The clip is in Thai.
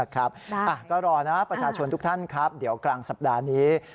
ก็รอนะประชาชนทุกท่านครับเดี๋ยวกลางสัปดาห์นี้